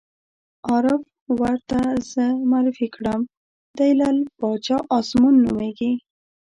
عارف ور ته زه معرفي کړم: دی لعل باچا ازمون نومېږي.